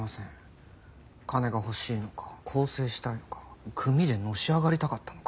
金が欲しいのか更生したいのか組でのし上がりたかったのか。